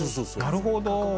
なるほど。